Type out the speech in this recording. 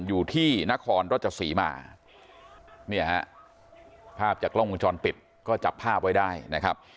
อยู่ที่นครรัชศรีมาเนี่ยฮะภาพจากกล้องวงจรปิดก็จับภาพไว้ได้นะครับ